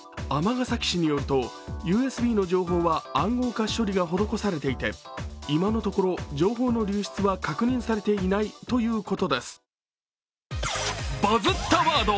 尼崎市によるとＵＳＢの情報は暗号化処理が施されていて、今のところ情報の流出は確認されていないということです。